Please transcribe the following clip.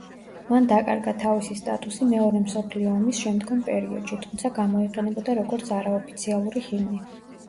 მან დაკარგა თავისი სტატუსი მეორე მსოფლიო ომის შემდგომ პერიოდში, თუმცა გამოიყენებოდა როგორც არაოფიციალური ჰიმნი.